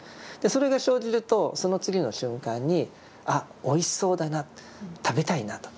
それが生じるとその次の瞬間に「あっおいしそうだな食べたいな」と。